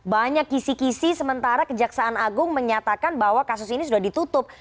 banyak kisi kisi sementara kejaksaan agung menyatakan bahwa kasus ini sudah ditutup